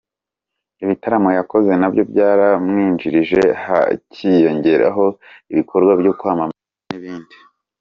Ibitaramo yakoze nabyo byaramwinjirije hakiyongeraho ibikorwa byo kwamamaza n’ibindi.